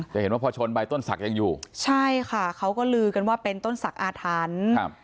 จะเห็นว่าพอชนไปต้นสักยังอยู่ใช่ค่ะเขาก็ลือกันว่าเป็นต้นสักอาถรรพ์